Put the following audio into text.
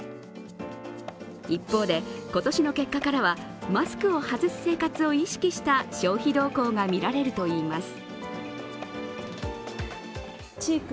一方で、今年の結果からはマスクを外す生活を意識した消費動向がみられるといいます。